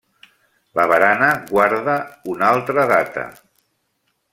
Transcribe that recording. La barana guarda una altra data.